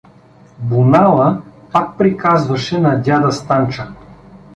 Бунала пак приказваше на дяда Станча.